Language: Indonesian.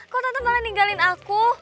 kok tetap malah ninggalin aku